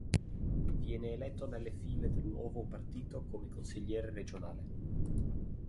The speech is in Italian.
Viene eletto nelle file del nuovo partito come consigliere regionale.